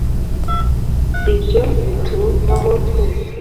ibyo bitubaho twese